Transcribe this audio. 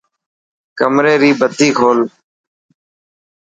ڪمري ري بتي کول.